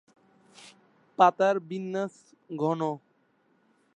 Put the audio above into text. পাতার বিন্যাস ঘন।